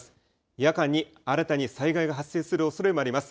夜間に新たに災害が発生するおそれもあります。